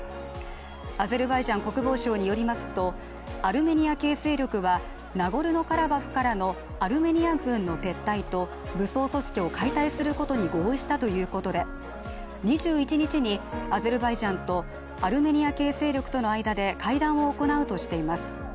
アゼルバイジャン国防省によりますとアルメニア系勢力はナゴルノ・カラバフからのアルメニア軍の撤退と武装組織を解体することに合意したということで２１日にアゼルバイジャンとアルメニア系勢力との間で会談を行うとしています。